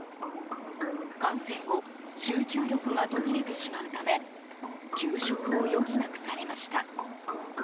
感染後集中力が途切れてしまうため休職を余儀なくされました。